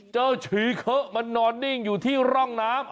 ฉีเคอะมันนอนนิ่งอยู่ที่ร่องน้ำ